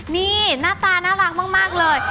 นี่หน้าตาน่ารักมากเลย